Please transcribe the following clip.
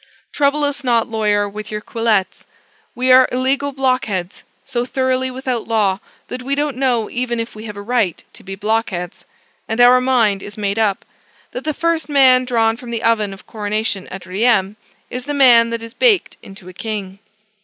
Trouble us not, lawyer, with your quillets. We are illegal blockheads; so thoroughly without law, that we don't know even if we have a right to be blockheads; and our mind is made up that the first man drawn from the oven of coronation at Rheims, is the man that is baked into a king.